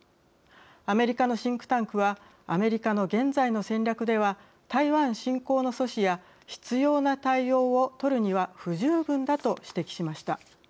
アメリカのシンクタンクは「アメリカの現在の戦略では台湾侵攻の阻止や必要な対応をとるには不十分だ」と指摘しました。